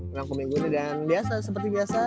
rangkum minggu ini dan biasa seperti biasa